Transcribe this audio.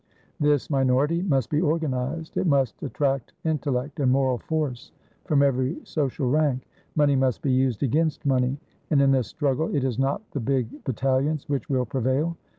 This minority must be organised. It must attract intellect and moral force from every social rank. Money must be used against money, and in this struggle it is not the big battalions which will prevail.